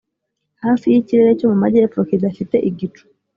'hafi y'ikirere cyo mu majyepfo kidafite igicu;